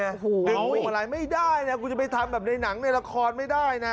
เอ็งหวงอะไรไม่ได้นะกูจะไปทำแบบในหนังในละครไม่ได้นะ